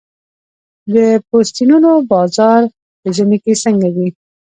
د پوستینونو بازار په ژمي کې څنګه وي؟